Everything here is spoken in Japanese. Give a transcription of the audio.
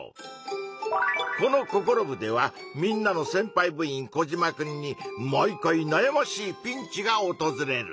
この「ココロ部！」ではみんなのせんぱい部員コジマくんに毎回なやましいピンチがおとずれる。